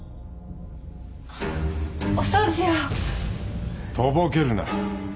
あお掃除を。とぼけるな。